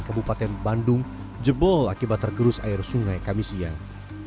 kebupaten bandung jebol akibat tergerus air sungai kami siang